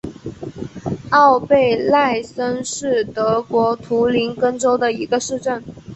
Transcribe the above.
奥贝赖森是德国图林根州的一个市镇。